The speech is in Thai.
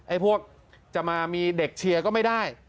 พวกจะมามีเด็กเชียร์ก็ไม่ได้